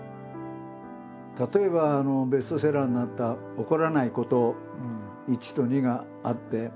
例えばベストセラーになった「怒らないこと」「１」と「２」があって。